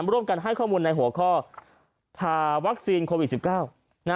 ร่วมกันให้ข้อมูลในหัวข้อผ่าวัคซีนโควิด๑๙